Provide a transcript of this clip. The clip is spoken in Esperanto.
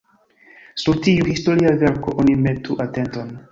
Sur tiu historia verko oni metu atenton.